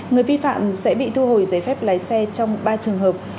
người vi phạm sẽ bị thu hồi giấy phép lái xe trong ba trường hợp